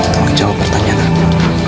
kau tau jawab pertanyaan aku